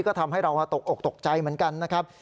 ก็ทำให้เราตกอกตกใจเหมือนกันนะครับ